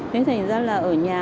thế thành ra là ở nhà